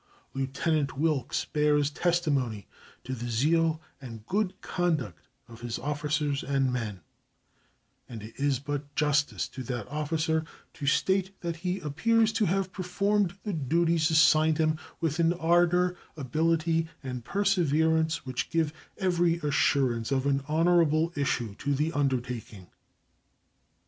Lieutenant Wilkes bears testimony to the zeal and good conduct of his officers and men, and it is but justice to that officer to state that he appears to have performed the duties assigned him with an ardor, ability, and perseverance which give every assurance of an honorable issue to the undertaking.